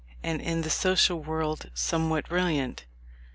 and in the social world somewhat brilliant.